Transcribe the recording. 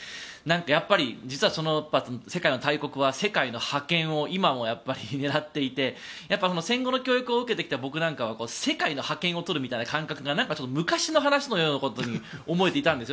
やっぱり、実は世界の大国は世界の覇権を今も狙っていて戦後の教育を受けてきた僕なんかは世界の覇権を取るような感覚が昔のことのように思えていたんです。